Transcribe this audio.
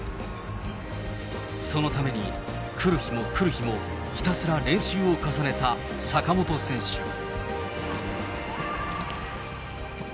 そのために来る日も来る日も、ひたすら練習を重ねた坂本選手。